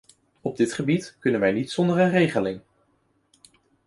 Op dit gebied kunnen we niet zonder een regeling.